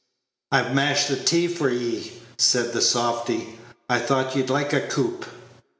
"I've mashed the tea for 'ee," said the softy; "I thought you'd like a coop."